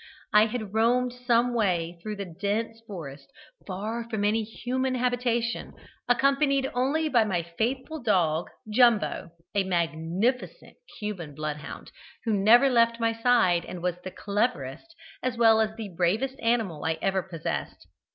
I had roamed some way through the dense forest, far from any human habitation, accompanied only by my faithful dog "Jumbo," a magnificent Cuban bloodhound, who never left my side, and was the cleverest as well as the bravest animal I ever possessed.